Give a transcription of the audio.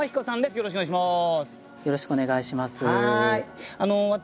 よろしくお願いします。